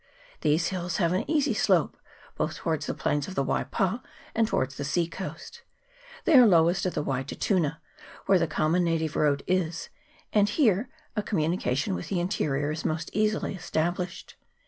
These hills have an easy slope, both towards the plains of the Waipa and towards the sea coast. They are lowest at the Wai te Tuna, where the common na tive road is, and here a communication with the interior is most easily established.